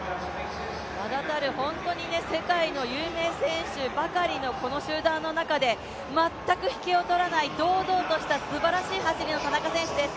名だたる世界の有名選手ばかりのこの集団の中で全く引けを取らない堂々としたすばらしい走りの田中選手です。